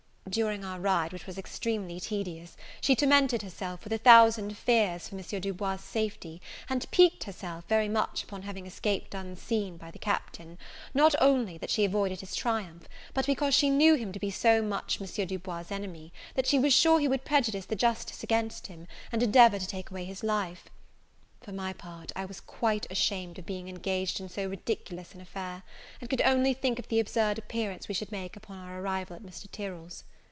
During our ride, which was extremely tedious, she tormented herself with a thousand fears for M. Du Bois's safety; and piqued herself very much upon having escaped unseen by the Captain, not only that she avoided his triumph, but because she knew him to be so much M. Du Bois's enemy, that she was sure he would prejudice the justice against him, and endeavour to take away his life. For my part, I was quite ashamed of being engaged in so ridiculous an affair, and could only think of the absurd appearance we should make upon our arrival at Mr. Tyrell's.